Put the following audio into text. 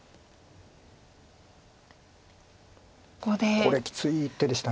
これきつい一手でした。